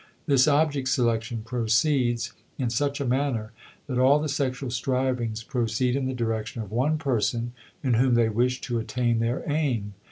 This object selection proceeds in such a manner that all the sexual strivings proceed in the direction of one person in whom they wish to attain their aim.